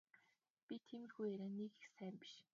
Би тиймэрхүү ярианд нэг их сайн биш.